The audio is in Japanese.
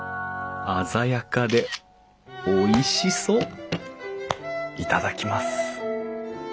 鮮やかでおいしそう頂きます。